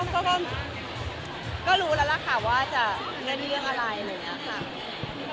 ก็ก็ก็รู้แล้วล่ะค่ะว่าจะเรื่องอะไรอะไรอย่างเงี้ยค่ะ